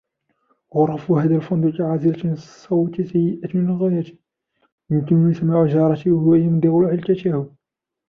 غرف هذا الفندق عازلة للصوت سيئة للغاية. يمكنني سماع جارتي وهو يمضغ علكته